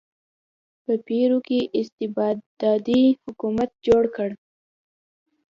په پیرو کې استبدادي حکومت جوړ کړ.